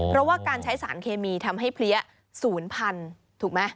เพราะว่าการใช้สารเคมีทำให้เพลี้ยศูนย์พันธุ์ถูกไหม